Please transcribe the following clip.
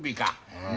うん。